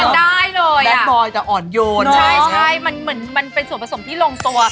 เหรอมันได้เลยอะแบ๊กบอยแต่อ่อนโยนใช่มันเหมือนเป็นส่วนผสมที่ลงตัว